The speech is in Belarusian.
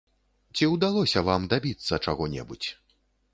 Ці ўдалося вам дабіцца чаго-небудзь?